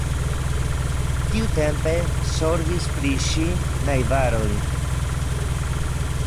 Tiutempe zorgis pri ŝi najbaroj.